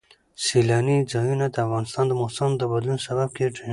سیلانی ځایونه د افغانستان د موسم د بدلون سبب کېږي.